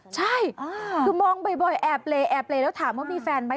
ใช่คือมองบ่อยแอบเลแอบเลแล้วถามว่ามีแฟนไหม